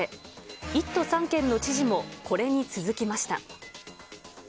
１都３県の知事もこれに続きました。